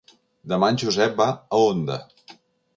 Demà en Josep va a Onda.